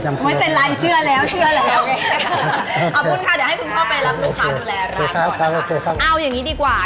แยกฝั่งกัน